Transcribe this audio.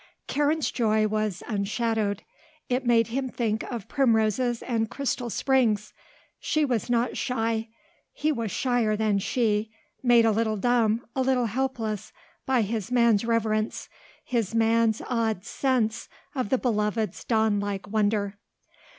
Karen's joy was unshadowed. It made him think of primroses and crystal springs. She was not shy; he was shyer than she, made a little dumb, a little helpless, by his man's reverence, his man's awed sense of the beloved's dawn like wonder.